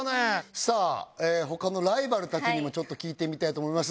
さあ他のライバルたちにもちょっと聞いてみたいと思います。